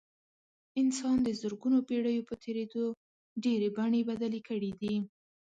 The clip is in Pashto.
انسان د زرګونو پېړیو په تېرېدو ډېرې بڼې بدلې کړې دي.